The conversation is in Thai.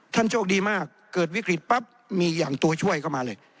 โชคดีมากเกิดวิกฤตปั๊บมีอย่างตัวช่วยเข้ามาเลย